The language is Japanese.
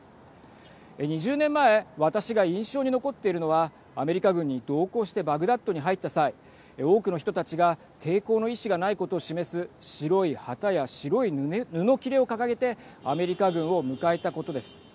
２０年前私が印象に残っているのはアメリカ軍に同行してバグダッドに入った際多くの人たちが抵抗の意思がないことを示す白い旗や白い布きれを掲げてアメリカ軍を迎えたことです。